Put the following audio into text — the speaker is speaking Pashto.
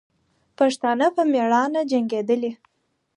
پښتانه به په میړانه جنګېدلې.